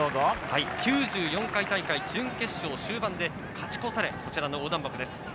９４回大会準決勝、終盤で勝ち越され、こちらの横断幕です。